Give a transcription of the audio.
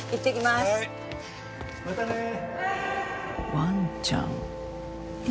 ワンちゃん犬？